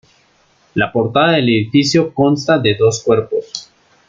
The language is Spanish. La portada del edificio consta de dos cuerpos.